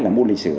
là môn lịch sử